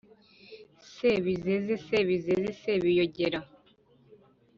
“Sebizeze Sebizeze, Sebiyogera